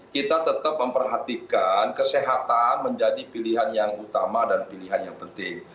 kita tetap memperhatikan kesehatan menjadi pilihan yang utama dan pilihan yang penting